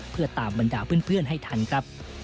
เพื่อตามบรรดาเพื่อนให้ทันครับ